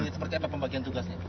seperti apa pembagian tugasnya